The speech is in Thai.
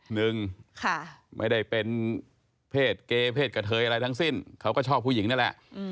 หนึ่งไม่ได้เป็นเพศเกเพศกระเทยอะไรทั้งสิ้นเขาก็ชอบผู้หญิงนั่นแหละ